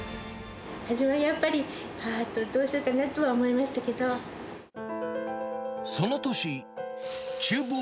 初めはやっぱり、母とどうしようかなと思いましたけど。